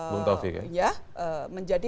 bung taufik ya